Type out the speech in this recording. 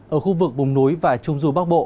ở khu vực bùng núi và trung dù bắc bộ